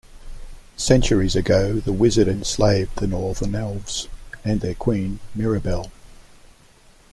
Centuries ago, the Wizard enslaved the Northern Elves and their Queen, Mirabelle.